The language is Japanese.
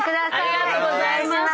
ありがとうございます。